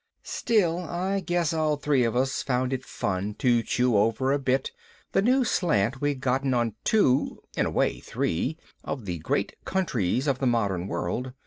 Still, I guess all three of us found it fun to chew over a bit the new slant we'd gotten on two (in a way, three) of the great "countries" of the modern world.